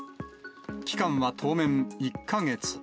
期間は当面１か月。